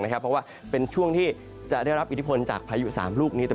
เพราะว่าเป็นช่วงที่จะได้รับอิทธิพลจากพายุ๓ลูกนี้